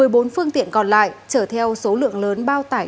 một mươi bốn phương tiện còn lại chở theo số lượng lớn bao tải